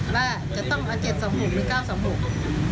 ว่าจะต้องเอา๗๒๖หรือ๙๒๖